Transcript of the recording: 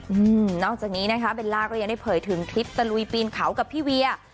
อืมนอกจากนี้นะคะเบลล่าก็ยังได้เผยถึงคลิปตะลุยปีนเขากับพี่เวีย